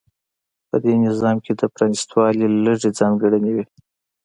په دې نظام کې د پرانېستوالي لږې ځانګړنې وې.